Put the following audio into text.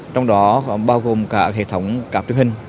trong đó bao gồm cả hệ thống cáp truyền hình